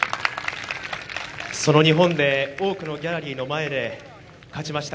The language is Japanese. その日本で多くのギャラリーの前で勝ちました。